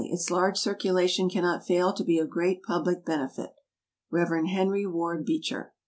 Its large circulation cannot fail to be of great public benefit. Rev. HENRY WARD BEECHER.